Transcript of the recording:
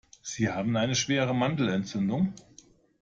Sie haben eine schwere Mandelentzündung.